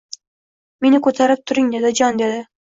Meni koʻtarib turing dadajon dedi.